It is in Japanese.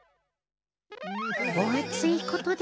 おあついことで。